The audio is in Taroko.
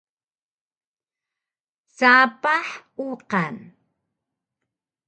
Sapah uqan